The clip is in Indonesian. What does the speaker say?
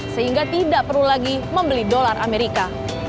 sehingga tidak perlu lagi membeli dolar amerika